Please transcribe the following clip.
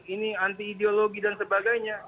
ini anti ideologi dan sebagainya